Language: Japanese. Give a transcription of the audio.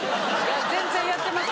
全然やってます。